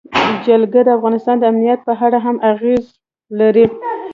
جلګه د افغانستان د امنیت په اړه هم اغېز لري.